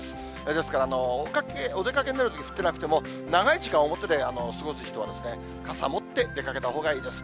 ですから、お出かけになるとき降ってなくても、長い時間、表で過ごす人は傘持って出かけたほうがいいです。